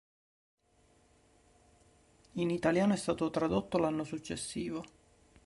In italiano è stato tradotto l'anno successivo.